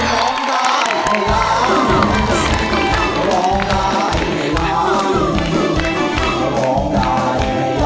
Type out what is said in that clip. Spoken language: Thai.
โอเคร้องได้